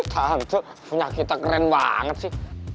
tante punya kita keren banget sih